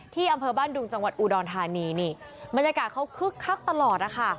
อำเภอบ้านดุงจังหวัดอุดรธานีนี่บรรยากาศเขาคึกคักตลอดนะคะ